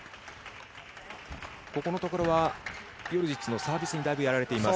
ここのところは、ヨルジッチのサービスに、だいぶやられています。